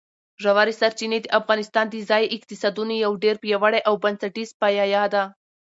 ژورې سرچینې د افغانستان د ځایي اقتصادونو یو ډېر پیاوړی او بنسټیز پایایه دی.